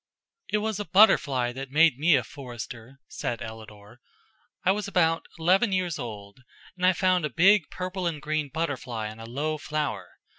"It was a butterfly that made me a forester," said Ellador. "I was about eleven years old, and I found a big purple and green butterfly on a low flower.